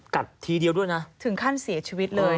ทีเดียวด้วยนะถึงขั้นเสียชีวิตเลย